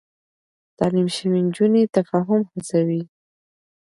تعليم شوې نجونې تفاهم هڅوي.